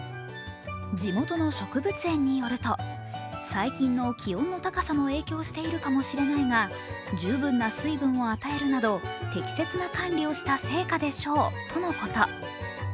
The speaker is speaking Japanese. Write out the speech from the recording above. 最近の気温の高さも影響しているかもしれないが十分な水分を与えるなど適切な管理をした成果でしょうとのこと。